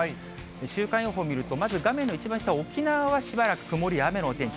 週間予報見ると、まず、画面の一番下沖縄はしばらく曇りや雨のお天気。